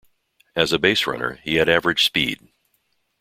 As a baserunner, he had average speed.